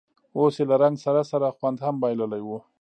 اوس یې له رنګ سره سره خوند هم بایللی و.